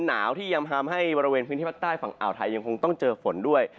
หนาวที่ยังทำให้บริเวณพื้นที่ภาคใต้ฝั่งอ่าวไทยยังคงต้องเจอฝนด้วย